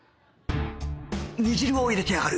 煮汁を入れてやがる！